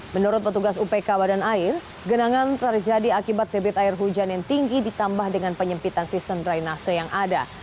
menurut petugas upk badan air genangan terjadi akibat debit air hujan yang tinggi ditambah dengan penyempitan sistem drainase yang ada